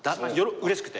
うれしくて。